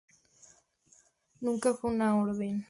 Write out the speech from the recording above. Nunca fue una orden.